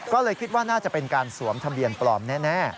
ก็เลยคิดว่าน่าจะเป็นการสวมทะเบียนปลอมแน่